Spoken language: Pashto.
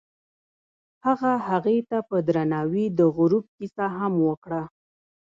هغه هغې ته په درناوي د غروب کیسه هم وکړه.